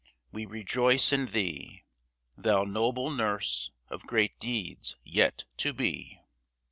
we rejoice in thee, Thou noble nurse of great deeds yet to be